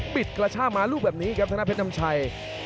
บิดกระช้ามารูปแบบนี้ครับที่หน้าเพชรน้ำชัย